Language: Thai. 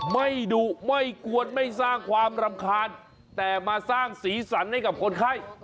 ไม่ดุไม่กวนไม่สร้างความรำคาญแต่มาสร้างสีสันให้กับคนไข้